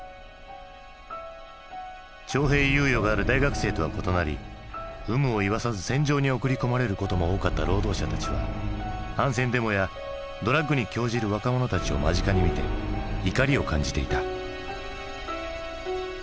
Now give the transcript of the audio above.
徴兵猶予がある大学生とは異なり有無を言わさず戦場に送りこまれることも多かった労働者たちは反戦デモやドラッグに興じる若者たちを間近に見て怒りを感じていた。